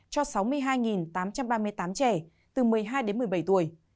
cho sáu mươi hai tám trăm ba mươi tám trẻ từ một mươi hai đến một mươi bảy tuổi